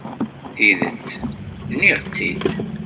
Tidet, nniɣ-tt-id.